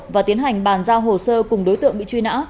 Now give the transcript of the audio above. và tiến hành bàn giao hồ sơ cùng đối tượng bị truy nã